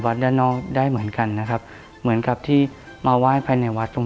โปรดติดตามตอนต่อไป